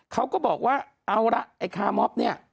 เขาก็บอกว่าเอาละไอ้คามอบเนี่ย